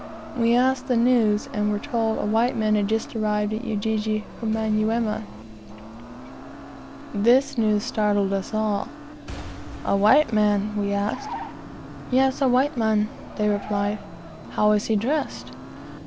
We asked the news, and were told a white man had just arrived at Ujiji from Manyuema. This news startled us all. "A white man?" we asked. "Yes, a white man," they replied. "How is he dressed?"